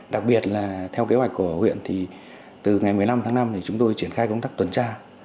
đặc biệt là theo kế hoạch của huyện thì từ ngày một mươi năm tháng năm thì chúng tôi triển khai công tác tuần tra